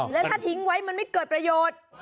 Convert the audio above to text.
และถ้าทิ้งไว้มันไม่เกิดประโยชน์